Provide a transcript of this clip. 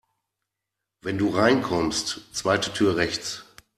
Wenn du reinkommst, zweite Tür rechts.